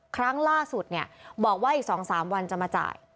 ครั้งล่าสุดเนี่ยบอกว่าอีก๒๓วันจะมาจ่าย